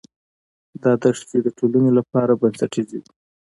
دا دښتې د ټولنې لپاره بنسټیزې دي.